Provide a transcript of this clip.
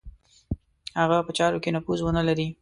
هغه په چارو کې نفوذ ونه لري.